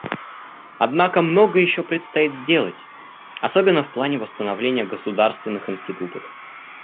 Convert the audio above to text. Однако многое еще предстоит сделать, особенно в плане восстановления государственных институтов.